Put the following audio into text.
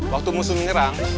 waktu musuh menyerang